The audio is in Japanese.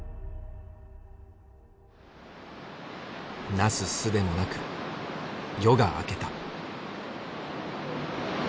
なすすべもなく夜が明けた。